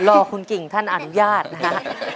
รอคุณกิ่งท่านอนุญาตนะฮะ